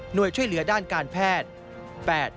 โดยช่วยเหลือด้านการแพทย์